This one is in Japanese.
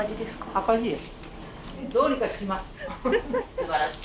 すばらしい。